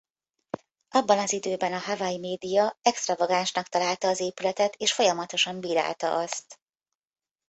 Abban az időben a Hawaii média extravagánsnak találta az épületet és folyamatosan bírálta azt.